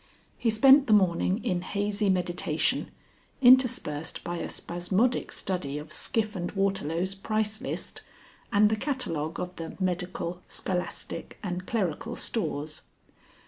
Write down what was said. He spent the morning in hazy meditation, interspersed by a spasmodic study of Skiff and Waterlow's price list, and the catalogue of the Medical, Scholastic, and Clerical Stores.